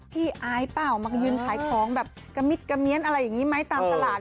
อายเปล่ามายืนขายของแบบกระมิดกระเมียนอะไรอย่างนี้ไหมตามตลาด